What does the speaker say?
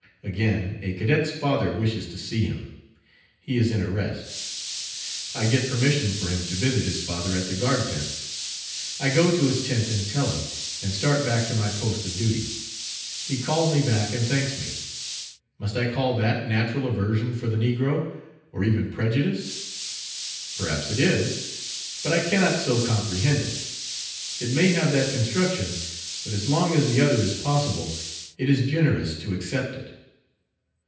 Again, a cadet's father wishes to see him. He is in arrest. I get permission for him to visit his father at the guard tents. I go to his tent and tell him, and start back to my post of duty. He calls me back and thanks me. Must I call that natural aversion for the negro, or even prejudice? Perhaps it is, but I cannot so comprehend it. It may have that construction, but as long as the other is possible it is generous to accept it.